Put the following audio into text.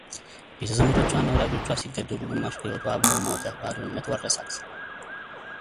ቤተዘመዶችዋና ወዳጆችዋ ሲገደሉ ግማሽ ሕይወቷ አብሮ ሞተ ባዶነት ወረሳት።